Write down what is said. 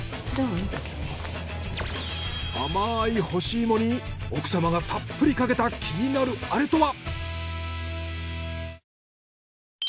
あまい干し芋に奥様がたっぷりかけた気になるアレとは？